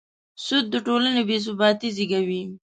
سود د ټولنې بېثباتي زېږوي.